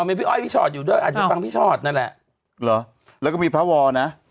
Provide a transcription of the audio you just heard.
พี่อ๋อไม่ฟังชอดอยู่ด้วยอาจฟังพี่นั่นแหละหรอแล้วก็มีพระนะ